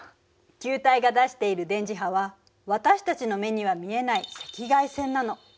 球体が出している電磁波は私たちの目には見えない赤外線なの。